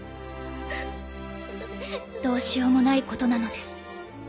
どうしようもないことなのです。